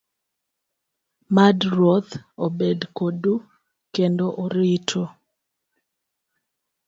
Mad Ruoth obed kodu kendo oritu.